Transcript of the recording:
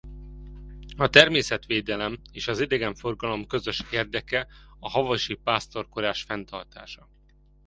A természetvédelem és az idegenforgalom közös érdeke a havasi pásztorkodás fenntartása.